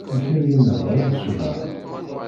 Ikeryan-a bɣan ad ceḥḥden.